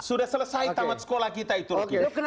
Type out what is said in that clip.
sudah selesai tamat sekolah kita itu rocky